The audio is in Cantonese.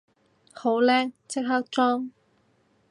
好叻，即刻裝